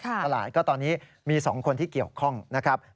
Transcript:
ตลาดก็ตอนนี้มี๒คนที่เกี่ยวข้องนะครับ